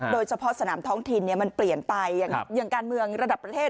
โดยเฉพาะสนามท้องถิ่นมันเปลี่ยนไปอย่างการเมืองระดับประเทศ